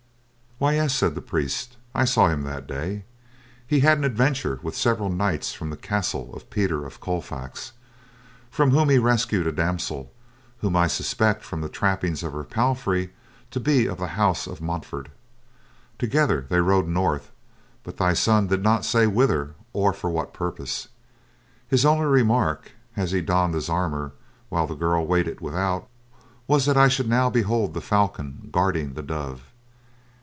"Why, yes," said the priest, "I saw him that day. He had an adventure with several knights from the castle of Peter of Colfax, from whom he rescued a damsel whom I suspect from the trappings of her palfrey to be of the house of Montfort. Together they rode north, but thy son did not say whither or for what purpose. His only remark, as he donned his armor, while the girl waited without, was that I should now behold the falcon guarding the dove.